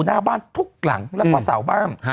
หน้าบ้านทุกหลังแล้วก็เสาบ้าน